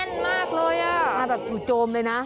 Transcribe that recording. หน้าแบบจูบโจมเลยนะ